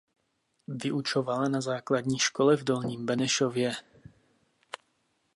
Vyučovala na základní škole v Dolním Benešově.